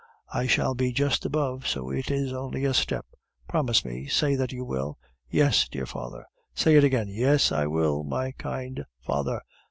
I shall be just above, so it is only a step. Promise me, say that you will!" "Yes, dear father." "Say it again." "Yes, I will, my kind father."